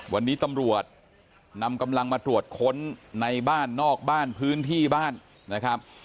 วันนี้ตำรวจนำกำลังมาตรวจค้นในบ้านนอกบ้านพื้นที่บ้านนะครับ